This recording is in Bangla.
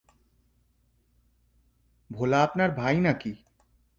ভোলা আপনার ভাই না-কি?